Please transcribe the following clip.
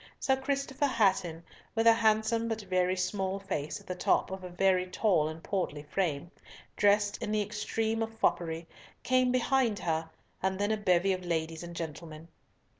Sir Christopher Hatton, with a handsome but very small face at the top of a very tall and portly frame, dressed in the extreme of foppery, came behind her, and then a bevy of ladies and gentlemen.